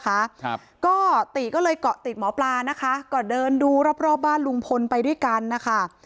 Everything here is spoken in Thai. ครับก็ติก็เลยเกาะติดหมอปลานะคะก็เดินดูรอบรอบบ้านลุงพลไปด้วยกันนะคะ